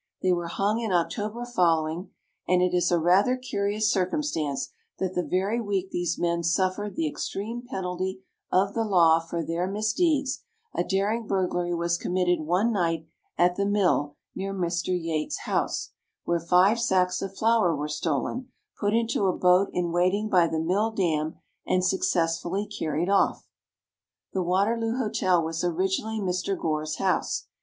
They were hung in October following, and it is a rather curious circumstance that the very week these men suffered the extreme penalty of the law for their misdeeds, a daring burglary was committed one night at the mill near Mr. Yates' house, when five sacks of flour were stolen, put into a boat in waiting by the mill dam, and successfully carried off. The Waterloo Hotel was originally Mr. Gore's house.